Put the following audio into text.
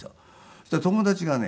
そしたら友達がね